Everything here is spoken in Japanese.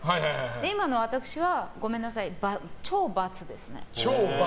今の私はごめんなさい超×ですね。